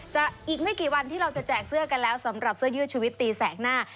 อีกไม่กี่วันที่เราจะแจกเสื้อกันแล้วสำหรับเสื้อยืดชีวิตตีแสกหน้า